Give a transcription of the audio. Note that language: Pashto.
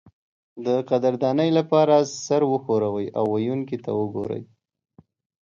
د قدردانۍ لپاره سر وښورئ او ویونکي ته وګورئ.